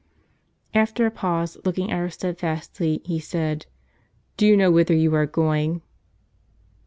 After a pause, looking at her steadfastly, he said, " Do you know whither you are going?